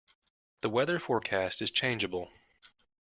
The weather forecast is changeable.